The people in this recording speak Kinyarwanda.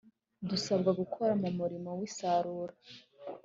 dusabwa gukora mu murimo w isarura